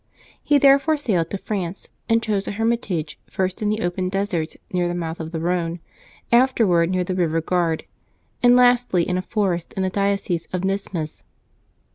He therefore sailed to France, and chose a hermitage first in the open deserts near the mouth of the Rhone, afterward near the river Gard, and lastly in a forest in the diocese of Nismes.